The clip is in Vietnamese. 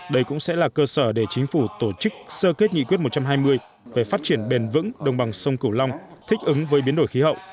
đây cũng sẽ là cơ sở để chính phủ tổ chức sơ kết nghị quyết một trăm hai mươi về phát triển bền vững đồng bằng sông cửu long thích ứng với biến đổi khí hậu